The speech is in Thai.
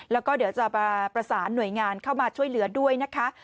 แล้วก็เดี๋ยวจะประสานหน่วยงานเข้ามาช่วยเหลือด้วยนะคะ